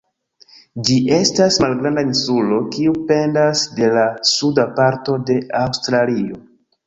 Ĝi estas malgranda insulo, kiu pendas de la suda parto de Aŭstralio.